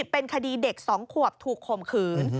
เป็นคดีเด็ก๒ขวบถูกข่มขืน